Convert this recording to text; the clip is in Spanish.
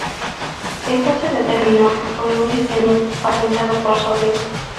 Esto se determinó que fue un diseño patentado por Zobel.